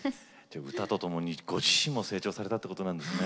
じゃ歌とともにご自身も成長されたってことなんですね。